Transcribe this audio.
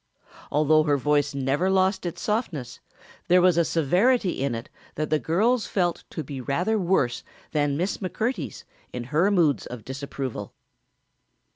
Although her voice never lost its softness there was a severity in it that the girls felt to be rather worse than Miss McMurtry's in her moods of disapproval.